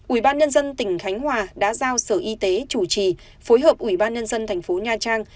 ủy ban nhân dân tỉnh khánh hòa đã giao sở y tế chủ trì phối hợp ủy ban nhân dân thành phố nha trang